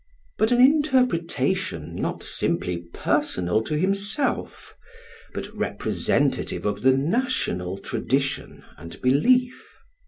But an interpretation not simply personal to himself, but representative of the national tradition and belief.